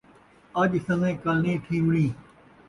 اڄ سن٘وّیں کل نئیں تھیوݨی